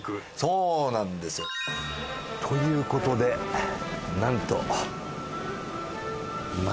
そうなんですよ。という事でなんと。